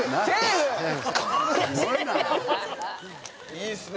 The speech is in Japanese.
いいっすね。